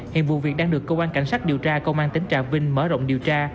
hiện vụ việc đang được cơ quan cảnh sát điều tra công an tỉnh trà vinh mở rộng điều tra